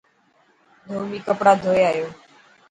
ڌوٻي ڪپڙا ڌوئي آيو.